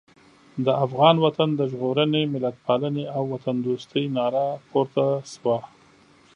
د افغان وطن د ژغورنې، ملتپالنې او وطندوستۍ ناره پورته شوه.